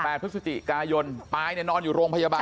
พฤศจิกายนปายเนี่ยนอนอยู่โรงพยาบาล